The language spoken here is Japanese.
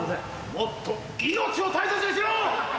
もっと命を大切にしろ！